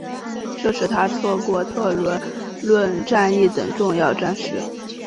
这使他错过了特伦顿战役等重要战事。